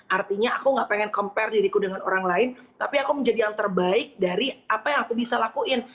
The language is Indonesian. artinya aku gak pengen compare diriku dengan orang lain tapi aku menjadi yang terbaik dari apa yang aku bisa lakuin